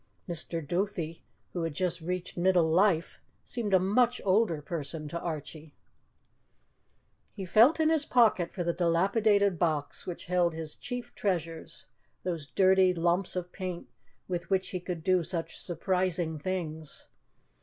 Mr. Duthie, who had just reached middle life, seemed a much older person to Archie. He felt in his pocket for the dilapidated box which held his chief treasures those dirty lumps of paint with which he could do such surprising things.